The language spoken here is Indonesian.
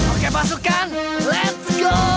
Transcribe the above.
oke pasukan lets go